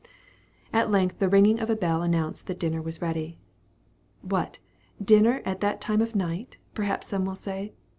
At length the ringing of a bell announced that dinner was ready. "What, dinner at that time of night?" perhaps some will say.